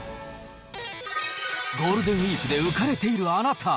ゴールデンウィークで浮かれているあなた。